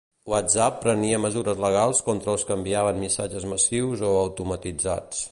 WhatsApp prenia mesures legals contra els que enviaven missatges massius o automatitzats.